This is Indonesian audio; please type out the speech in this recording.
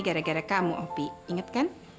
gara gara kamu opi inget kan